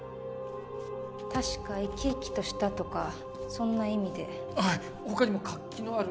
確か「生き生きとした」とかそんな意味ではい他にも「活気のある」